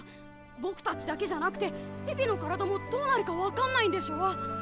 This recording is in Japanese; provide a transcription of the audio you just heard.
ボクたちだけじゃなくてピピの体もどうなるか分かんないんでしょ？